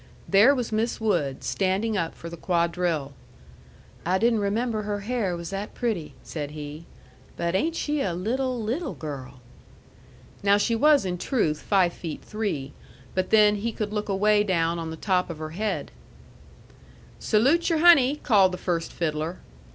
There was Miss Wood, standing up for the quadrille. "I didn't remember her hair was that pretty," said he. "But ain't she a little, little girl!" Now she was in truth five feet three; but then he could look away down on the top of her head. "Salute your honey!" called the first fiddler.